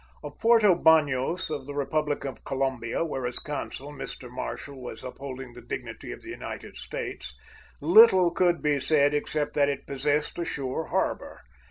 Of Porto Banos, of the Republic of Colombia, where as consul Mr. Marshall was upholding the dignity of the United States, little could be said except that it possessed a sure harbor.